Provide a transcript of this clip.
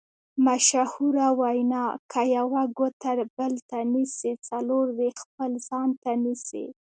مشهوره وینا: که یوه ګوته بل ته نیسې څلور دې خپل ځان ته نیسې.